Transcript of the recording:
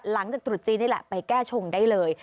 ตรุษจีนนี่แหละไปแก้ชงได้เลย